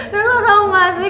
lo tau gak sih